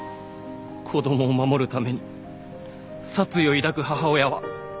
子供を守るために殺意を抱く母親は。